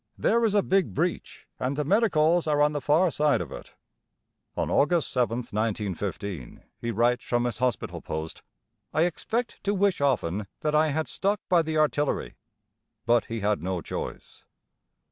There is a big breach, and the medicals are on the far side of it." On August 7th, 1915, he writes from his hospital post, "I expect to wish often that I had stuck by the artillery." But he had no choice.